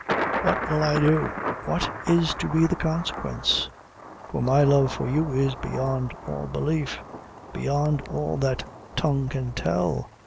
what will I do? what is to be the consequence? for my love for you is beyond all belief beyond all that tongue can tell.